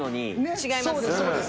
違います。